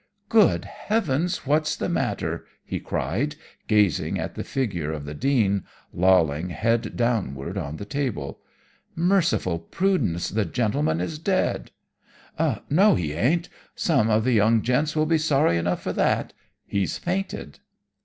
"'Good heavens! What's the matter?' he cried, gazing at the figure of the Dean, lolling head downward on the table. 'Merciful Prudence, the gentleman is dead! No, he ain't some of the young gents will be sorry enough for that he's fainted.'